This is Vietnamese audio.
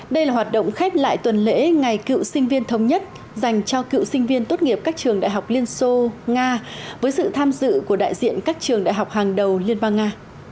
đây là hoạt động khép lại tuần lễ ngày cựu sinh viên thống nhất dành cho cựu sinh viên tốt nghiệp các trường đại học liên xô nga với sự tham dự của đại diện các trường đại học hàng đầu liên bang nga